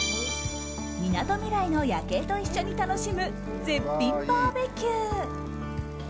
みなとみらいの夜景と一緒に楽しむ絶品バーベキュー。